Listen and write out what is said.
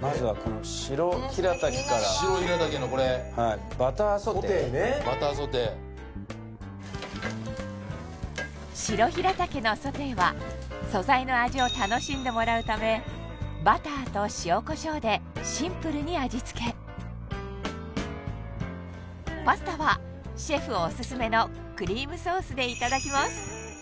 まずはこの白ヒラタケからはいバターソテーバターソテー白ヒラタケのソテーは素材の味を楽しんでもらうためバターと塩コショウでシンプルに味つけパスタはシェフオススメのクリームソースでいただきます